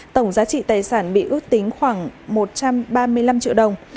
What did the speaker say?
tổng giá trị tài sản bị ước tính khoảng một trăm ba mươi năm triệu đồng